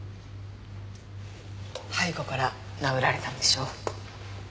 背後から殴られたんでしょう。